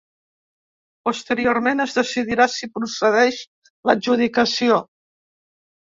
Posteriorment, es decidirà si procedeix l’adjudicació.